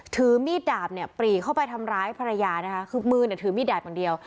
ถือมีดดาบปลี่เข้าไปทำร้ายพระยาคือมือถือมีดดาบกันเดียว